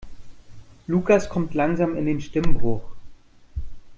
Lukas kommt langsam in den Stimmbruch.